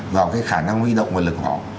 vào cái khả năng huy động nguồn lực của họ